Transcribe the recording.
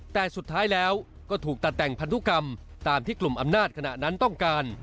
แต่สุดท้ายแล้วก็ถูกตัดแต่งพันธุกรรมตามที่กลุ่มอำนาจขณะนั้นต้องการ